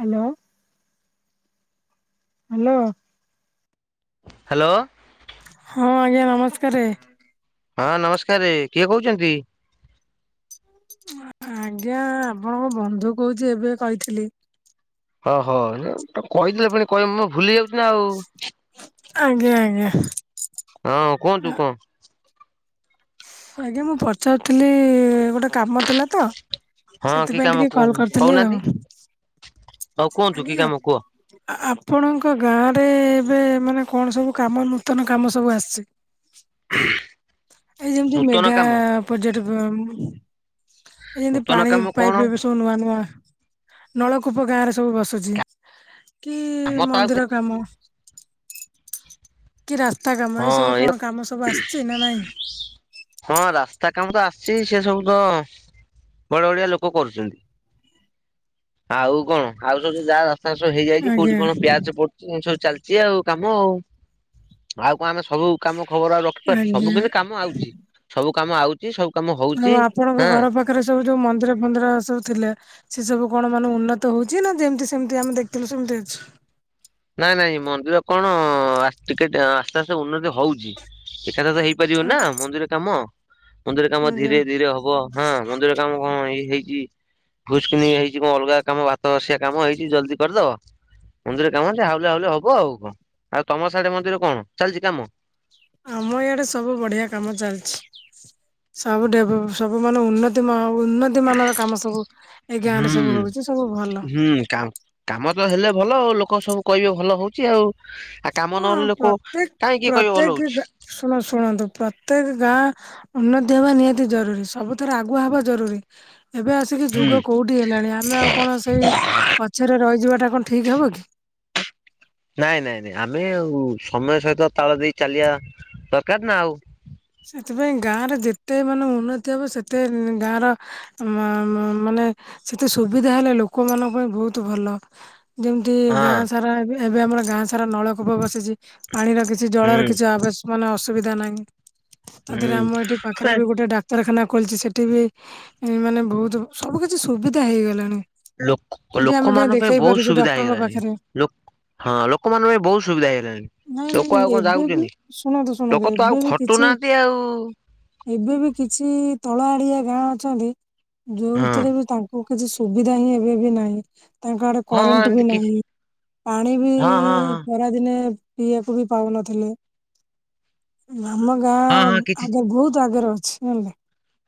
Hello. Hello. Hello. ହଁ ଆଜ୍ଞା ନମସ୍କାରେ। ହଁ ନମସ୍କାରରେ କିଏ କହୁଛନ୍ତି। ଆଜ୍ଞା ଆପଣଙ୍କ ବନ୍ଧୁ କହୁଛି ଏବେ କହିଥିଲି। ଅ ହୋ ସେ ଉ ତ କହିଥିଲେ ପୁଣି କହିବେ ମୁଁ ଭୁଲି‌ଯାଉ ଚି ଆଜ୍ଞା ଆଜ୍ଞା ଆଉ ହଁ କୁହନ୍ତୁ କଁ। ଆଜ୍ଞା ମୁଁ ପଚାରୁଥିଲି ଗୋଟେ କାମ ଥିଲା ତ। ହଁ କି ସେଥିପାଇଁ କାମ ଟିକେ କୁହ କଲ କରିଥିଲି କହୁନାହାନ୍ତି ଆଉ। ହଉ କୁହନ୍ତୁ କି ଆଜ୍ଞା କାମ କୁଅ। ଆପଣଙ୍କ ଗାଁରେ ଏବେ ମାନେ କଣ ସବୁ କାମ ନୂତନ କାମ ସବୁ ଆସିଛି। ହ ଏଇ ଯେମିତି ମେଗା ପୋଯେର୍ଟ ଏଇ ଯେମତି ନୂତନ ପାଣି କାମ କଣ ପାଇପ ଏବେ ଶବୁ ନୁଆ ନୂଆ ନଳକୂପ ଗାଁ ରେ ସବୁ ବସୁଛି। କି କାମ ତ ଆଉ ମନ୍ଦିର କାମ। କି ରାସ୍ତା କାମ ଏଇସବୁ ହଁ ଏ କଣ କାମ ସବୁ ଆସିଛି ନା ନାହିଁ। ହଁ ରାସ୍ତା କାମ ତ ଆସିଛି ସିଏ ସବୁ ତ। ବଡ ବଡିିଆ ଲୋକ କରୁଛନ୍ତି ଆଉ କଣ ଆଉ ସବୁ ଯା। ତାଙ୍କ ସବୁ ହେଇଯାଇଛି କୋଉଠି ଆଜ୍ଞା। କଣ ପ୍ୟାଚ ପଡୁଛି ଏ ସବୁ ଚାଲିଛି ଆଉ କାମ ଆଉ। ଆଉ କଣ ଆମେ ସବୁ କାମ ଖବର ଆଉ ରଖି ପାରୁଛୁ ଆଜ୍ଞା ସବୁ କିନ୍ତୁ କାମ ଆଉଛି ସବୁ କାମ ଆଉ ଚି ସବୁ କାମ ଆଉ ହଉଛି ଆପଣଙ୍କ ଆଁ। ଘର ପାଖରେ ସବୁ ଯୋଉ ମନ୍ଦିର ଫନ୍ଦିର ସବୁ ଥିଲେ। ସେ ସବୁ କଣ ମାନେ ଉନ୍ନତ ହଉଛି ନା ଯେମତି ସେମିତି ଆମେ ଦେଖଥିଲୁ ସେମିତି ଅଛି। ନାଇଁ ନାଇଁ ମନ୍ଦିର କଣ ଆସ୍ ଟିକେ ଟିକେ ଆସ୍ତେ ଆସ୍ତେ ଉନ୍ନତି ହଉଛି। ଏକାଥାରେ ତ ହେଇ ପାରିବନି ନା ମନ୍ଦିର କାମ ମନ୍ଦିର କାମ ଆଜ୍ଞା ଧୀରେ ଧୀରେ ହବ। ହଁ ମନ୍ଦିର କାମ କଁ ଏଇ ହେଇଛି। ଭୁସ୍ କିିନି ହେଇଛି କଁ ଅଲଗା କାମ ଭାତ ବସିିଆ କାମ ହେଇଛି ଜଲ୍ଦି କରିଦବ ମନ୍ଦିର। କାମ ସେ ହାଉଲା ହାଉଲେ ହବ ଆଉ କଁ ଆଉ ତମ ସାଡେ ମନ୍ଦିର କଁ ଚାଲିଛି କାମ। ଆମ ଇଆଡେ ସବୁ ବଢିଆ କାମ ଚାଲିଛି। ସବୁ ଡେଭ ସବୁ ମାନେ ଉନ୍ନତି ଉନ୍ନତି ଉନ୍ନତି ମାନର କାମ ସବୁ ଏଇ ଗାଁ ରେ ସବୁ ହୁଁ ହଉଛି ସବୁ ଭଲ। ହୁଁ କା କାମ ତ ହେଲେ ଭଲ ଆଉ ଲୋକ ସବୁ କହିବେ ଭଲ ହଉଛି ଆଉ। ଆଉ କାମ ହଁ ନହେଲେ ଲୋକ ପ୍ରତ୍ୟେକ କାହିଁ କିିଏ କହିବେ ଭଲ ପ୍ରତ୍ୟେକ ହଉଛି। ଶୁଣ ଶୁଣନ୍ତୁ ପ୍ରତ୍ୟେକ ଗାଁ। ଉନ୍ନତି ହବା ନିହାତି ଜରୁରୀ ସବୁଥିରେ ଆଗୁଆ ହେବା ଜରୁରୀ ଏବେ ଆଉ ସେ ଯାଇକିି ହୁଁ ଯୁଗ କୋଉଠି ହେଲାଣି ଆମେ ଆଉ କଣ ସେଇ ପଛରେ ରହିଯିବାଟା କଣ ଠିକ ହବ କି? ନାଇଁ ନାଇଁ ନାଇଁ ଆମେ ଆଉ ସମୟ ସହିତ ତାଳ ଦେଇ ଚାଲିବା ଦରକାର ନା ଆଉ। ସେଥିପାଇଁ ଗାଁ ରେ ଯେତେ ମାନେ ଉନ୍ନତି ହବ ସେତେ ଗାଁ ର ମା ମା ମାନେ ସେତେ ସୁବିଧା ହେଲେ ଲୋକମାନାନଙ୍କ ପାଇଁ ବହୁତ ଭଲ। ଯେମିତି ହଁ। ଗାଁ ସାରା ଏବେ ଏବେ ଆମର ଗାଁ ସାରା ନଳକୂପ ବସିଛି ପାଣି ଲାଗି ଛି ଜଳର ହୁଁ କିଛି ଆବଶ ମାନେ ଅସୁବିଧା ନାହିଁ ତା ଦେହରେ ଆମ ହୁଁ ଏଠି ପାଖରେ ଏ ବି ଗୋଟେ ଡାକ କ୍ତରଖାନା ଖୋଲିଛି ସେଠି ବି ଏ ମାନେ ବହୁତ ସବୁ କିଛି ସୁବିଧା ହେଇଗଲାଣି। ଲୋକ ସେଠି ଆମେ ଯାଇ ଲୋକମାନଙ୍କ ପାଇଁ ଦେଖେଇ ବହୁତ ପାରୁଛୁ ସୁବିଧା ଡକ୍ଟରଙ୍କ ହେଇଗଲାଣି ପାଖରେ ଲୋକ ହଁ ଲୋକମାନଙ୍କ ପାଇଁ ବହୁତ ସୁବିଧା ନାଇଁ ହେଇଗଲାଣି ନାଇଁ ଲୋକ ଆଉ କଣ ଏବେ ବି ଯାଉଛନ୍ତି ଶୁଣନ୍ତୁ ଶୁଣନ୍ତୁ ଲୋକ ତ ଏବେ ଆଉ ବି ଖଟ୍ ଟୁ କିଛି ନାହାଁନ୍ତି ଆଉ। ଏବେ ବି କିଛି ତଳ ଆଡିଆ ଗାଁ ଅଛନ୍ତି ହଁ ଯୋଉଥିରେ ବି ତାଙ୍କୁ କିଛି ସୁବିଧା ହିଁ ଏବେ ବି ନାହିଁ। ତାଙ୍କ ଆଡେ ହଁ ହଁ କରେଣ୍ଟ ଏମିତି ବି କିଛି ନାହିଁ ପାଣି ବି ହଁ ହଁ ହଁ ଖରାଦିନେ ପିଇଆକୁ ବି ପାଉନଥିଲେ। ଆମ ଗାଁ ହଁ ହଁ କିଛି ଆଗରେ ବହୁତ ଆଗରେ ଅଛି ଜାଣିଲେ।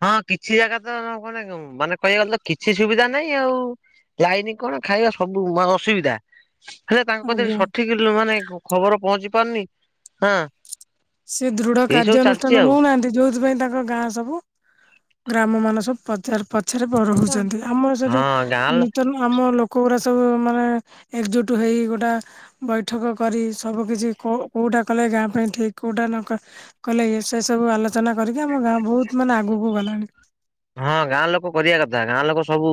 ହଁ କିଛି ଜାଗା ତ କଣ ମାନେ ଉଁ ମାନେ କହିବାକୁ ଗଲେ ତ କିଛି ସୁବିଧା ନାହିଁ ଆଉ। ଲାଇନି କଣ ଖାଇବା ସବୁ ଅସୁବିଧା। ହେଲେ ତାଙ୍କ କତିରେ ଆଜ୍ଞା ସଠିକ ଲ ମାନେ ଖବର ପହଞ୍ଚି ପାରୁନି ହାଁ। ସିଏ ଦୃଢ କାର୍ଯ୍ୟାନୁଷ୍ଠାନ ନଉନାହାନ୍ତି ଯୋଉଥିପାଇଁ ତାଙ୍କ ଗାଁ ସବୁ ଗ୍ରାମ ମାନ ସବୁ ପଛରେ ପ ଛରେ ବଢଉଛନ୍ତି ଆମର ସେଠୁ ହଁ ଗାଁ ନୂତନ ଆମ ଲୋକଗୁରା ସବୁ ମାନେ ଏକଜୁଟ ହୋଇ ଗୋଟା ବୈଠକ କରି ସବୁ କିଛି କୋଉ କୋଉଟା କଲେ ଗାଁ ପାଇଁ ଠିକ କୋଉଟା ନକ କଲେ ଇଏ ସେ ସବୁ ଆଲୋଚନା କରିକି ଆମ ଗାଁ ବହୁତ ମାନେ ଆଗକୁ ଗଲାଣି। ହଁ ଗାଁ ଲୋକ କରିବା କଥା ଗାଁ ଲୋକ ସବୁ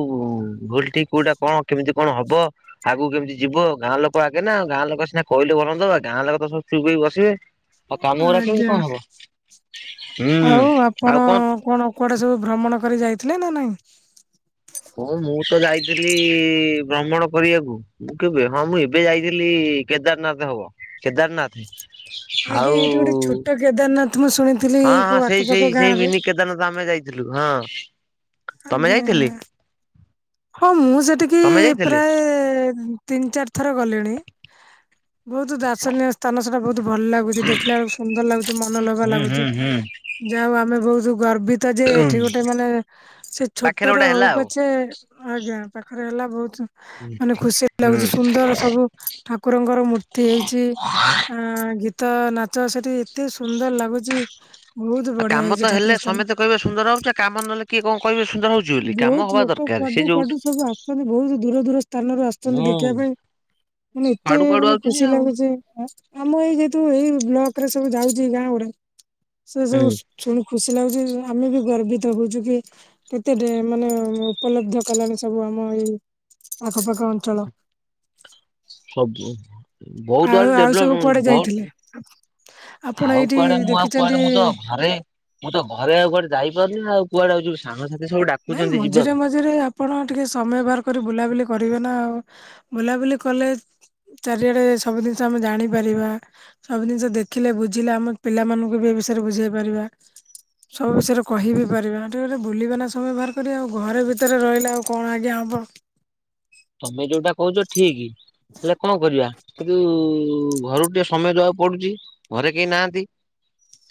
ଭୁଲ ଠିକ କୋଉଟା କଣ କେମିତି କଣ ହବ ଆଗକୁ କେମିତି ଯିବ ଗାଁ ଲୋକ ଆଗେ ନା ଗାଁ ଲୋକ ସିନା କହିଲେ ଭଲ [unintelligible] ଗାଁ ଲୋକ ତ ସବୁ ଚୁପ୍ ହେଇ ବସିବେ ଆଉ କାମ ଗୁରା କେମିତି ଆଜ୍ଞା କଣ ହବ ହୁଁ ଆଉ ଆପଣ କଣ କୁଆଡେ ସବୁ ଭ୍ରମଣ କରି ଯାଇଥିଲେ ନା ନାଇଁ? ହଁ ମୁଁ ତ ଯାଇଥିଲି ଭ୍ରମଣ କରିଆକୁ। ମୁଁ କେବେ ହଁ ମୁଁ ଏବେ ଯାଇଥିଲି କେଦାରନାଥ ହବ କେଦାରନାଥ। ଆଜ୍ଞା ଆଉ ଏଇଠି ଗୋଟେ ଛୋଟ କେଦାରନାଥ ମୁଁ ଶୁଣିଥିଲି ଏଇ କୋଉ ଆଖପାଖ ଗାଁ ରେ ଦାରନାଥ ତ ଆମେ ଯାଇଥିଲୁ ହଁ। ତମେ ଆଜ୍ଞା ଯାଇଥିଲେ ଆଜ୍ଞା ହଁ ମୁଁ ସେଠିକି ତମେ ଯାଇଥିଲେ? ପ୍ରାଏ ତିନି ଚାରି ଥର ଗଲିଣି ବହୁତ ଦାର୍ଶନିୟ ସ୍ଥାନ ସେଟା ବହୁତ ଭଲ ଲାଗୁଛି ଦେଖିଲା ବେଳକୁ ସୁନ୍ଦର ଲାଗୁଛି ମନ ଲୋଭା ହୁଁ ହୁଁ ଲାଗୁଛି। ହୁଁ। ଯା ହଉ ଆମେ ବହୁତ ଗର୍ବିତ ଯେ ଏଠି ଗୋଟେ ମାନେ ସେ ପାଖରେ ଛୋଟର ଗୋଟେ ହଉ ହେଲା ଆଉ ପଛେ ଆଜ୍ଞା ପାଖରେ ହେଲା ବହୁତ ମାନେ ଖୁସି ହୁଁ। ଲାଗୁଛି ସୁନ୍ଦର ସବୁ ଠାକୁରଙ୍କର ମୂର୍ତ୍ତି ହେଇଛି ଆ ଗୀତ ନାଚ ସେଠି ଏତେ ସୁନ୍ଦର ଲାଗୁଚି ଆ କାମ ତ ହେଲେ ସମେତେ କହିବେ ସୁନ୍ଦର ହଉଛି ଆଉ କାମ ନହଲେ କିଏ କଣ କହିବେ ସୁନ୍ଦର ହଉଛି? ବୋଲି କାମ ବହୁତ ହବା ଲୋକ ଦରକାର ସେ କୁଆଡୁ ଯୋଉଠି କୁଆଡୁ ସବୁ ଆସୁଛନ୍ତି ବହୁତ ଦୂର ଦୂର ସ୍ଥାନରୁ ଆସୁଛନ୍ତି ହୁଁ। ଦେଖିବା ପାଇଁ। ମାନେ ଏତେ କୁଆଡୁ କୁଆଡୁ ମାନେ ଆଉଛନ୍ତି ଖୁସି ଆଉ। ଲାଗୁଛି ଆମ ଏଇ ଯେହେତୁ ଏଇ ବ୍ଲକରେ ସବୁ ଯାଉଛି ଏଇ ଗାଁ ଗୁଡା ସେ ହୁଁ ସବୁ ଶୁ ଶୁଣି ଖୁସି ଲାଗୁଛି ଆମେ ବି ଗର୍ବିତ ହଉଛୁ କି କେତେ ଡେ ମାନେ ଉପଲବ୍ଧ କଲାଣି ସବୁ ଆମ ଏଇ ଆଖପାଖ ଅଞ୍ଚଳ। ସବୁ ବହୁତ ଆଉ ଆଡ଼େ ଆଉ ସବୁ ଡେଭଲପ୍ କୁଆଡେ ଯାଇଥିଲେ ବହୁତ୍ ଆପଣ ଆଉ ଏଇଠି କୁଆଡେ ମୁଁ ଆଉ ଦେଖିଛନ୍ତି କୁଆଡେ ମୁଁ ତ ଘରେ ମୁଁ ତ ଘରେ ଆଉ କୁଆଡେ ଯାଇପାରୁନି ଆଉ କୁଆଡେ ଆଉ ଯିବି ସାଙ୍ଗସାଥି ସବୁ ଡାକ୍ ନାଇଁ ମଝିରେ ମଝିରେ ଆପ ପଣ ଟିକେ ସମୟ ବାହାର କରି ବୁଲାବୁଲି କରିବେ ନା ଆଉ ବୁଲାବୁଲି କଲେ ଚାରିଆଡ଼େ ସବୁ ଜିନିଷ ଆମେ ଜାଣିପାରିବା। ସବୁ ଜିନିଷ ଦେଖିଲେ ବୁଝିଲେ ଆମ ପିଲାମାନଙ୍କୁ ବି ଏ ବିଷୟରେ ବୁଝେଇ ପାରିବା। ସବୁ ବିଷୟରେ କହିବି ପାରିବା ଟିକେ ଟିକେ ବୁଲି ବେ ନା ସ ସମୟ ବହାର କରି ଆଉ ଘରେ ଭିତରେ ରହିଲେ ଆଉ କଣ ଆଜ୍ଞା ହବ। ତମେ ଯୋଉଟା କହୁଛ ଠିକି ହେଲେ କଣ କରିବା। କିନ୍ତୁ ଘରୁକୁ ଟିକେ ସମୟ ଦବାକୁ ପଡୁଛି ଘରେ କେହି ନାହାଁନ୍ତି।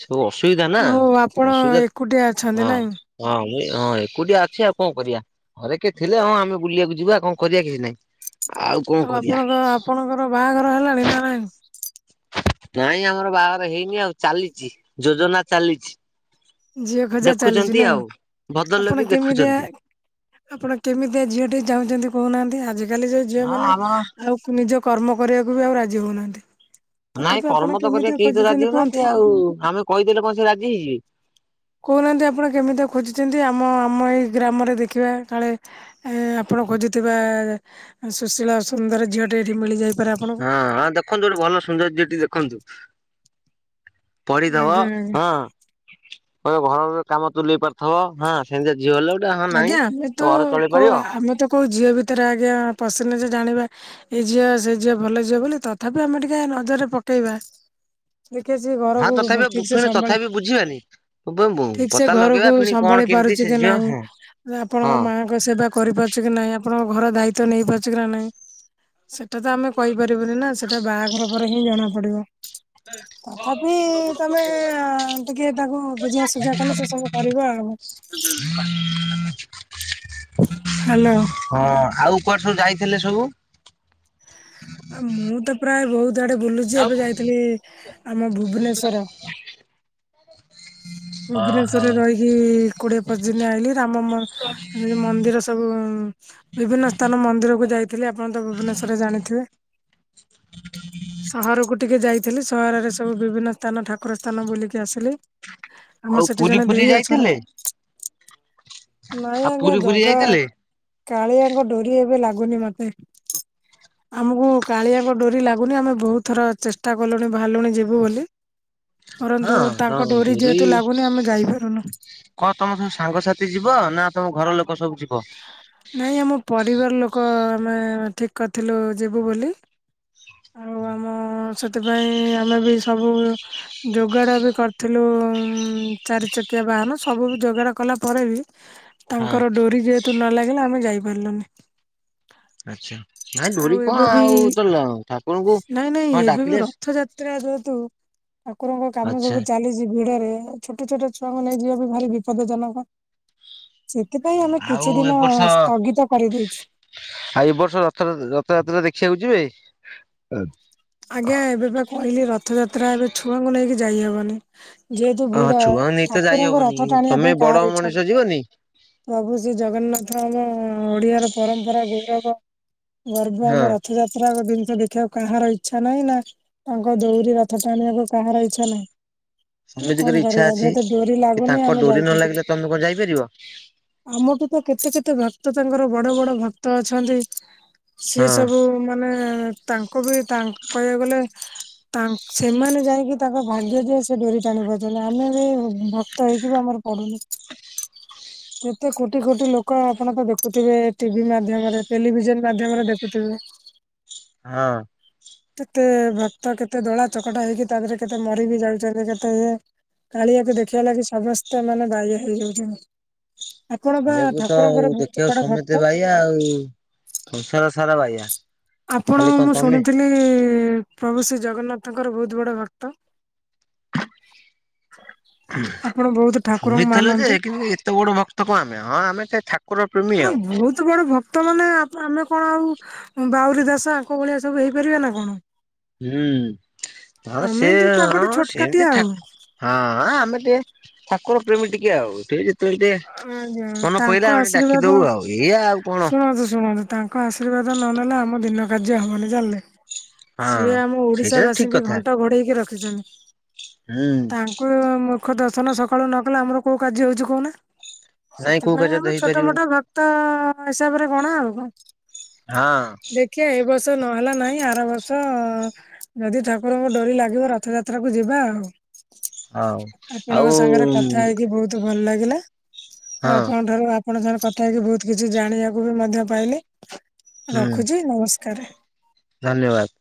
ସବୁ ଅସୁବିଧା ନା ହଉ ଆପଣ ଅସୁବିଧା ଏକୁଟିଆ ଅଛନ୍ତି ହଁ। ନାଇଁ ହଁ ମୁଇ ହଁ ଏକୁଟିଆ ଅଛି ଆଉ କଣ କରିବା ଘରେ କିଏ ଥିଲେ ହଁ ଆମେ ବୁଲିବାକୁ ଯିବା କଣ କରିଆ କିଛି ନାଇଁ। ଆଉ ଆପଣଙ୍କ ଆପଣଙ୍କର ବାହାଘର ହେଲାଣି ନା ନାହିଁ? ନାଇଁ ଆମର ବାହାଘର ହେଇନି ଆଉ ଚାଲିଛି ଯୋଜନା ଚାଲିଛି। ଝିଅ ଖୋଜା ଚାଲିଛି ଦେଖୁଛନ୍ତି ନାଇଁ ଆଉ ଆପଣ ଭଦ୍ରଲୋକେ କେମିତିଆ ଦେଖୁଛନ୍ତି ଆପଣ କେମିତିଆ ଝିଅଟେ ଚାହୁଁଛନ୍ତି କହୁ ନାହାଁନ୍ତି ଆଜି କାଲି ଯୋଉ ଝିଅ ହଁ ମାନେ ଆମର ଆଉ ନିଜ କର୍ମ କରିବାକୁ ବି ଆଉ ରାଜି ହଉନାହାଁନ୍ତି। ନାଇଁ କର୍ମ ତ କରିବା କେହି ତ ରାଜି ହଉନାହାଁନ୍ତି କୁହନ୍ତୁ ଆଉ ଆମେ କହିଦେଲେ କଣ ସେ ରାଜି ହେଇଯିବେ। କହୁ ନାହାଁନ୍ତି ଆପଣ କେମିତିଆ ଖୋଜୁଛନ୍ତି ଆମ ଆମ ଏଇ ଗ୍ରାମରେ ଦେଖିବା କାଳେ ଏ ଆପଣ ଖୋଜୁଥିବା ସୁଶୀଳ ସୁନ୍ଦର ଝିଅଟେ ଏଇଠି ମିଳିଯାଇ ହଁ ହଁ ଦେଖନ୍ତୁ ଗୋଟେ ଭଲ ସୁନ୍ଦର ଝିଅଟି ଦେଖନ୍ତୁ। ପଢିଥବ ଆଜ୍ଞା ଆଜ୍ଞା ହଁ ଘର ର କାମ ତୁଲେଇ ପାରୁଥବ ହଁ ସେମିତିଆ ଝିଅ ହେଲେ ଗୋଟେ ହଁ ନାଇଁ ଆଜ୍ଞା ଆମେ ତ ଘର ଚଳେଇ କୋଉ ପାରିବ। ଆମେ ତ କୋଉ ଝିଅ ଭିତରେ ଆଜ୍ଞା ପଶିନୁଜେ ଜାଣିବା ଏ ଝିଅ ସେ ଝିଅ ଭଲ ଝିଅ ବୋଲି ତଥାପି ଆମେ ଟିକେ ନଜରରେ ପକେଇବା। ଦେଖିବା ସେ ହଁ ଘରକୁ ତଥାବି ଠିକ ବୁ ସେ ପୁଣି ସମ୍ଭାଳି ତଥାପି ବୁଝିବାନି ବୁ ବୁ ଠିକ ସେ ପତା ଲଗେଇବା ଫୁଣି କଣ କେମିତି ସେ ଝିଅ ହଁ। ନା ଆପଣଙ୍କ ହଁ ମାଆଙ୍କ ସେବା କରିପାରୁଛି କି ନାଇଁ ଆପଣଙ୍କ ଘର ଦାୟିତ୍ୱ ନେଇ ପାରୁଛି କି ନା ନାଇଁ। ସେଟା ତ ଆମେ କହିପାରିବୁନି ନା ସେଟା ବାହାଘର ପରେ ହିଁ ଜଣା ପଡିବ। [unintelligible] ତଥାପି ତମେ ଅ ଟିକେ ତାକୁ ବୁଝା ସୁଝା କଲେ ସେ ସବୁ କରିବ ଆଉ। [unintelligible] ହ୍ୟାଲୋ। ହଁ ଆଉ କୁଆଡେ ସବୁ ଯାଇଥିଲେ ସବୁ? ଆ ମୁଁ ତ ପ୍ରାୟ ବହୁତ୍ ଆଡେ ବୁଲୁଛି ଏବେ ଯାଇଥିଲି ଆମ ଭୁବନେଶ୍ଵର। ଓହୋ ଭୁବନେଶ୍ୱରରେ ରହିକି କୋଡିଏ ପଚିଶି ଦିନି ଆଇଲିି ରାମ ମ ଏ ମନ୍ଦିର ସବୁ ବିଭିନ୍ନ ସ୍ଥାନ ମନ୍ଦିରକୁୁ ଯାଇଥିଲି ଆପଣ ତ ଭୁବନେଶ୍ୱର ରେ ଜାଣିଥିବେ। ସହରକୁ ଟିକେ ଯାଇଥିଲି ସହରରେ ସବୁ ବିଭିନ୍ନ ସ୍ଥାନ ଠାକୁର ସ୍ଥାନ ବୁଲିକି ଆସିଲି। ଆଉ ଆମର ସେଠି ପୁରୀ ଜଣେ ଫୁରୀ ଦେଇ ଅଛନ୍। ଯାଇଥିଲେ ନାଇଁ ଆଉ ଆଜ୍ଞା ପୁରୀ ଫୁରୀ ଜଗା ଯାଇଥିଲେ? କାଳିଆଙ୍କ ଡୋରି ଏବେ ଲାଗୁନି ମତେ। ଆମୁକୁ କାଳିଆଙ୍କ ଡୋରି ଲାଗୁନି ଆମେ ବହୁତ୍ ଥର ଚେଷ୍ଟା କଲୁଣି ବାହାରିଲୁଣି ଯିବୁ ବୋଲି। ପରନ୍ତୁ ହଁ ତ ତାଙ୍କ ଡୋରି ପୁରୀ ଯେହେତୁ ଲାଗୁନି ଆମେ ଯାଇପାରୁନୁ। କଣ ତମ ସବୁ ସାଙ୍ଗସାଥି ଯିବ ନାଁ ତମ ଘର ଲୋକ ସବୁ ଯିବ? ନାଇଁ ଆମ ପରିବାର ଲୋକ ଆମେ ଠିକ୍ କରିଥିଲୁ ଯିବୁ ବୋଲି। ଆଉ [inaudible] ଆମ ସେଥିପାଇଁ ଆମେ ବି ସବୁ ଯୋଗାଡ ବି କରିଥିଲୁ ଉଁ ଚାରି ଚକିଆ ବାହାନ ସବୁ ଯୋଗାଡ କଲା ପରେ ବି ହଁ ତାଙ୍କର ଡୋରି ଯେହେତୁ ନ ଲାଗିଲା ଆମେ ଯାଇପାରିଲୁନି। ଆଚ୍ଛା ନାଇଁ ଆଉ ଡୋରି ଏବେ କଣ ବି ଆଉ ତ ଲ ଠା ନାଇଁ ନାଇଁ ଏବେ ବି ରଥଯାତ୍ରା ଯେହେତୁ ଠାକୁରଙ୍କ କାମ ଆଚ୍ଛା। ସବୁ ଚାଲିଛି। ଜି ଭିଡରେ ଛୋଟ ଛୋଟ ଛୁଆଙ୍କୁ ନେଇ ଯିବା ବି ଭାରି ବିପଦ ଜନକ। ସେଥିପାଇଁ ଆମେ ଆଉ କିଛି ଏ ଦିନ ବର୍ଷ ସ୍ଥଗିତ କରିଦେଇଛୁ। ଆଉ ଏ ବର୍ଷ ରଥଯା ରଥଯାତ୍ରା ଦେଖିବାକୁ ଯିବେ? ଆଜ୍ଞା ଏବେ ପା କହିଲି ରଥଯାତ୍ରା ଏବେ ଛୁଆଙ୍କୁ ନେଇକି ଯାଇହେବନି। ଯେହେତୁ ହଁ ଭିଡ ଛୁଆଙ୍କୁ ନେଇ ଠାକୁରଙ୍କ ରଥ ଟାଣିବା ପାଇଁ କାହାର ଇଚ୍ଛ ନୁ ଯିବନେଇ? ପ୍ରଭୁ ଶ୍ରୀ ଜଗନ୍ନାଥର ଆମ ଓଡିଆର ପରମ୍ପରା ଗୌରବ ବର୍ବ ହଁ। ଆମ ରଥଯା ତ୍ରା ଏକ ଜିନଷ ଦେଖିବାକୁ କାହାର ଇଚ୍ଛା ନାହିଁ ନା ତାଙ୍କ ଦୋଳିରେ ରଥ ଟାଣିବାକୁ କାହାର ଇଚ୍ଛା ନାହିଁ। କିନ୍ତୁ ସମିତିଙ୍କର କଣ ଇଚ୍ଛା କରିବା ଅଛି ଯେହେତୁ ଡୋରି କି ଲାଗୁନି ତାଙ୍କ ଆମେ ଡୋରି ନ ଯାଇପାରୁନୁ। ଲାଗିଲେ ତମେ କଣ ଯାଇପାରିବ? ଆମଠୁ ତ କେତେ କେତେ ଭକ୍ତ ତାଙ୍କର ବଡ ବଡ ଭକ୍ତ ଅଛନ୍ତି ସେ ହଁ। ସବୁ ମାନେ ତାଙ୍କୁ ବି ତାନ୍ କହିବାକୁ ଗଲେ ତା ସେମାନେ ଯାଇଁକି ତାଙ୍କ ଭାଗ୍ୟ ଯୋଉ ସେ ଡୋରି ଟାଣି ପାରୁଚନ୍ତି ଆମେ ବି ଉଁ ଭକ୍ତ ହେଇକି ବି ଆମର ପଡୁନି। କେତେ କୋଟି କୋଟି ଲୋକ ଆପଣ ତ ଦେଖୁଥିବେ ଟିଭି ମାଧ୍ୟମରେ ଟେଲିଭିଜନ ମାଧ୍ୟମରେ ଦେଖୁଥିବେ। [inaudible] ହଁ। କେତେ ଭକ୍ତ କେତେ ଦଳା ଚକଟା ହେଇକି ତାପରେ କେତେ ମରି ବିି ଯାଉଚନ୍ତି କେତେ ଇଏ। କାଳିଆକୁ ଦେଖିବା ଲାଗି ସମସ୍ତେ ମାନେ ବାଇଆ ହେଇଯାଉଚନ୍ତି। କାଳିଆକୁ ତ ଆଉ ବହୁତ ଦେଖିବାକୁ ବଡ ଭକ୍ତ। ସମେତେ ବାଇଆ ଆଉ। ସଂସାର ସାରା ବାଇଆ ଆପଣ ଖାଲି କଁ ମୁଁ ଶୁଣିଥିଲି ପ୍ରଭୁ ଶ୍ରୀ ଜଗନ୍ନାଥଙ୍କର ବୋହୁତ ବଡ ଭକ୍ତ। ଆପଣ ବୋହୁତ ଠାକୁରଙ୍କୁ ଶୁଣିଥିଲେ ଯେ ମାନନ୍ତି। କିନ୍ତୁ ଏତେ ବଡ ଭକ୍ତ କଣ ଆମେ ହଁ ଆମେ ସେ ଠାକୁର ପ୍ରେମୀ ଆଉ। ଏତେ ବଡ ଭକ୍ତ ମାନେ ଆପ ଆମେ କଣ ଆଉ ଉଁ ବାଉରୀ ଦାସ ଆଙ୍କ ଭଳିଆ ସବୁ ହେଇପାରିବା ନା କଣ। ହୁଁ ହଁପା ଆମେ ଟି ସେଆ ତାଙ୍କଠୁ ହଁ ଛୋଟକାଟିଆ ସେମିତି ଆଉ। ଠାକୁ ହଁ ଆ ଆମେ ଟିକେ ଠାକୁର ପ୍ରେମୀ ଟିକେ ଆଉ ଠିକି ତ ଏଇ ଟେ ଆଜ୍ଞା ମନେ ତାଙ୍କ ପଇଲା ଆମେ ଟିକେ ଡାକି ଦୋଉ ଆଉ ଏଇଆ ଆଉ କଣ। ଆଛା ଶୁଣନ୍ତୁ ତାନ୍ ଙ୍କ ଆଶୀର୍ବାଦ ନ ନେଲେ ଆମ ଦିନ କାର୍ଯ୍ୟ ହବନି ଜାଣିଲେ। ସିଏ ହଁ ଆମ ସେଇଟା ଓଡିଶା ତ ଠିକ ବାସୀଙ୍କି କଥା ଘଣ୍ଟ ଘୋଡେଇକି ରଖିଚନ୍ତି। ହୁଁ ତାଙ୍କୁ ମୁଖ ଦର୍ଶନ ସକାଳୁ ନ କଲେ ଆମର କୋଉ କାର୍ଯ୍ୟ ହୋଉଚି କୋଉନା। ନାଇଁ କୋଉ ସେଥିପାଇଁ କାର୍ଯ୍ୟ ତ ଆମେ ଛୋଟ ହେଇପାରିବନି ମୋଟ ଭକ୍ତ ହିସାବରେ ଗଣା ଆଉ କଁ। ହଁ। ଖିଆ ଏ ବର୍ଷ ନହେଲା ନାହିଁ ଆର ବର୍ଷ ଯଦି ଠାକୁରଙ୍କ ଡୋରି ଲାଗିବ ରଥଯାତ୍ରାକୁ ଯିବା ଆଉ। ହଉ ଆପଣଙ୍କ ସାଙ୍ଗରେ ଆଉ କଥା ହେଇକି ବୋହୁତ ଭଲ ଲାଗିଲା। ହଁ ଆଉ ଆପଣଙ୍କ ଠାରୁ ଆପଣଙ୍କ ସାଙ୍ଗରେ କଥା ହେଇକି ବୋହୁତ କିଛି ଜାଣିବାକୁ ବି ମଧ୍ୟ ପାଇଲି। ହୁଁ ରଖୁଚି ନମସ୍କାରେ। ଧନ୍ୟବାଦ।